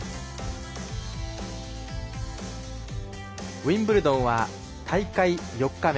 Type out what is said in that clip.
ウィンブルドンは大会４日目。